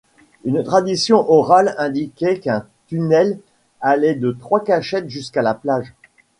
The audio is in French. Une tradition orale indiquait qu'un tunnel allait de trois cachettes jusqu'à la plage.